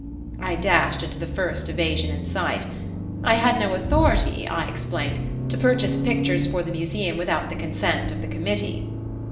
I dashed into the first evasion in sight. I had no authority, I explained, to purchase pictures for the Museum without the consent of the committee.